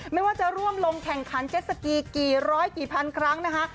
ไม่ว่าจะร่วมลงแข่งขันเจ็ดสกีกี่ร้อยกี่พันครั้งนะคะ